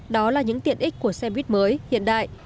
đó là những tiện ích của xe buýt mới hiện đại